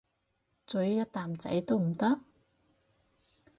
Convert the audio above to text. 咀一啖仔都唔得？